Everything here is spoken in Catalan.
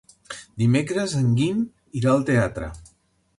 Dimecres en Guim irà al teatre.